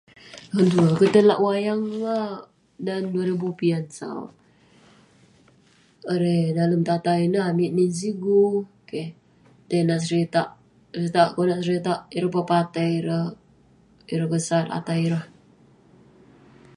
Aduh, akeuk tai lak wayang neh dan duah ribu pian sau. Erei dalem tatah ineh amik nin sigu, keh. Tai nat seritak, seritak konak seritak ireh pepatai, ireh...ireh kesat atai ireh.